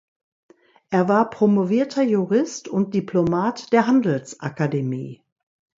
Er war promovierter Jurist und Diplomat der Handelsakademie.